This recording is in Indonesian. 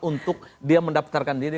untuk dia mendaptarkan diri